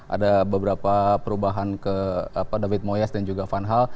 ada beberapa perubahan ke david moyas dan juga van hal